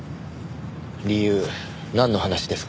理由なんの話ですか？